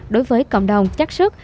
đối với cộng đồng chắc sức